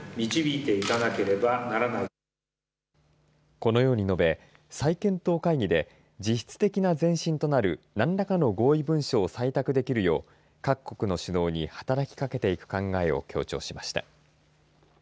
このように述べ再検討会議で実質的な前進となる何らかの合意文書を採択できるよう各国の首脳に働きかけていく考えを強調しました。